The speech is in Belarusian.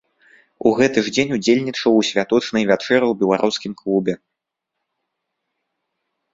У гэты ж дзень удзельнічаў у святочнай вячэры ў беларускім клубе.